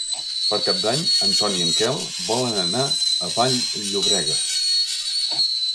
Per Cap d'Any en Ton i en Quel volen anar a Vall-llobrega.